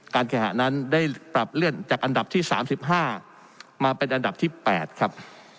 การแกะนั้นได้ปรับเลื่อนจากอันดับที่สามสิบห้ามาเป็นอันดับที่แปดครับ